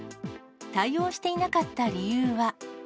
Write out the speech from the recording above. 対応していなかった理由は。